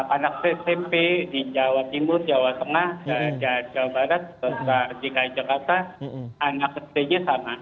anak smp di jawa timur jawa tengah jawa barat dki jakarta anak sd nya sama